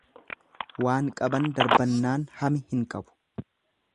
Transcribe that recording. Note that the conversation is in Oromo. Waan qaban darbannaan hami hin qabu.